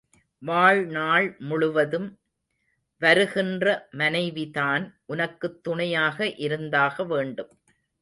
வாழ்நாள் முழுதும் வருகின்ற மனைவிதான் உனக்குத் துணையாக இருந்தாக வேண்டும்.